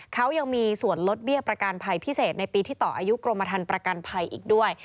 เขายังมีส่วนลดเบี้ยประกันภัยพิเศษในปีที่ต่ออายุกรมธรรมประกันภัยอีกด้วย